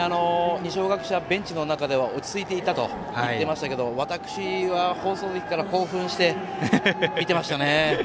二松学舎大付属ベンチの中では落ち着いてたと言っていましたが私は、放送席から興奮して見てましたね。